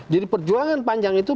jadi perjuangan panjang itu